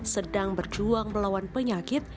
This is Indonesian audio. sedang berjuang melawan penyakit